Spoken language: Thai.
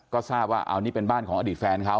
ก็ทราบว่าเอานี่เป็นบ้านของอดีตแฟนเขา